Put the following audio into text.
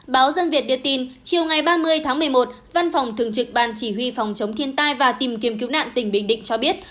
báo dân việt đưa tin chiều ngày ba mươi tháng một mươi một văn phòng thường trực ban chỉ huy phòng chống thiên tai và tìm kiếm cứu nạn tỉnh bình định cho biết